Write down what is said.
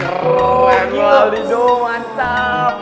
keren wadiduh mantap